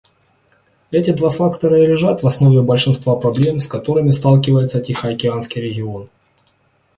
Эти два фактора и лежат в основе большинства проблем, с которыми сталкивается Тихоокеанский регион.